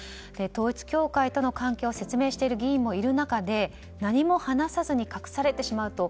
統一教会との関係を説明している議員もいる中で何も話さずに隠されてしまうと